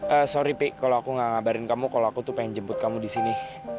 eh sorry pik kalau aku gak ngabarin kamu kalau aku tuh pengen jemput kamu di sini